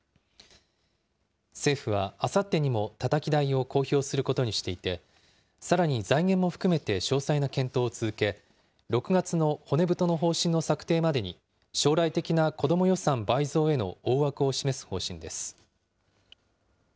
政府はあさってにもたたき台を公表することにしていて、さらに財源も含めて詳細な検討を続け、６月の骨太の方針の策定までに、将来的な子ども予算倍増への大枠を示す方針です。